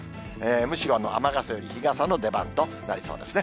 むしろ雨傘より日傘の出番となりそうですね。